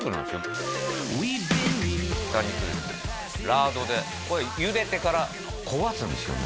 ラードでこれゆでてから焦がすんですよ